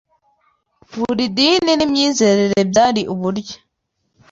Buri dini n’imyizerere byari uburyo